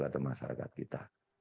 atau masyarakat kita